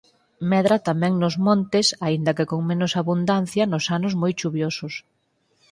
Medra tamén nos montes aínda que con menos abundancia nos anos moi chuviosos.